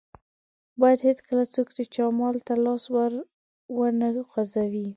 بايد هيڅکله څوک د چا مال ته لاس ور و نه غزوي.